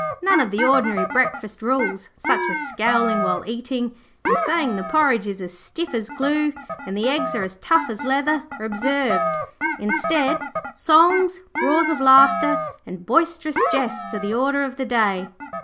None of the ordinary breakfast rules, such as scowling while eating, and saying the porridge is as stiff as glue and the eggs are as tough as leather, are observed. Instead, songs, roars of laughter, and boisterous jests are the order of the day.